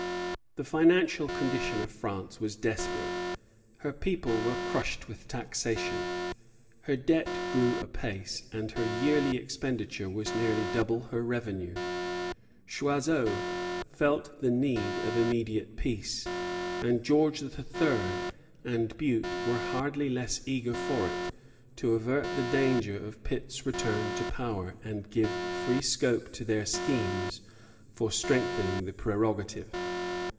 The financial condition of France was desperate. Her people were crushed with taxation; her debt grew apace; and her yearly expenditure was nearly double her revenue. Choiseul felt the need of immediate peace; and George III. and Bute were hardly less eager for it, to avert the danger of Pitt's return to power and give free scope to their schemes for strengthening the prerogative.